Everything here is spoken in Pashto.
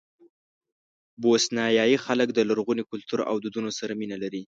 بوسنیایي خلک د لرغوني کلتور او دودونو سره مینه لري.